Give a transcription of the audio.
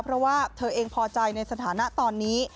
เพราะว่าเธอเองพอใจในสถานะตอนนี้